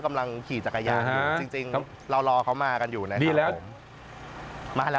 กำลังขี่จักรยานอยู่จริงเรารอเขามากันอยู่นะมาแล้ว